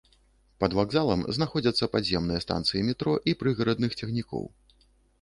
Пад вакзалам знаходзяцца падземныя станцыі метро і прыгарадных цягнікоў.